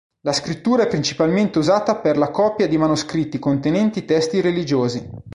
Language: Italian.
La scrittura è principalmente usata per la copia di manoscritti contenenti testi religiosi.